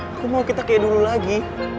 aku mau kita kayak dulu lagi